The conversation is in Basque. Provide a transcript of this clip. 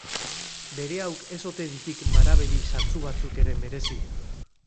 Bereauk ez ote ditik marabedi satsu batzuk ere merezi.